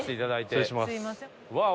失礼します。